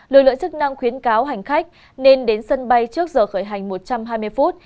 lực lượng chức năng khuyến cáo hành khách nên đến sân bay trước giờ khởi hành một trăm hai mươi phút